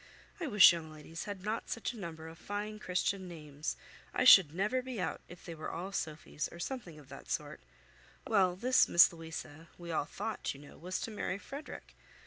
I wish young ladies had not such a number of fine Christian names. I should never be out if they were all Sophys, or something of that sort. Well, this Miss Louisa, we all thought, you know, was to marry Frederick.